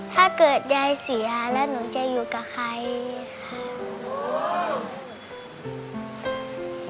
ถ้าเกิดยายเสียแล้วหนูจะอยู่กับใครค่ะ